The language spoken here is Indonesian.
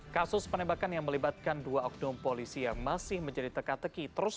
hai kasus penembakan yang melibatkan dua oknum polisi yang masih menjadi teka teki terus